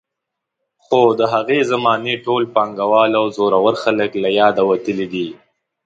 خو د هغې زمانې ټول پانګوال او زورور خلک له یاده وتلي دي.